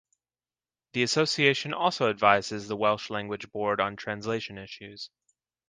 The association also advises the Welsh Language Board on translation issues.